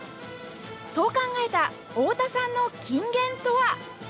そう考えた太田さんの金言とは。